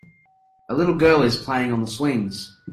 A little girl is playing on the swings.